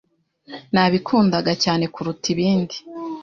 nabikundaga cyane kuruta ibindi